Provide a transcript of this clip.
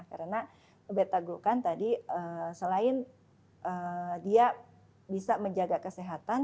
karena beta glukan tadi selain dia bisa menjaga kesehatan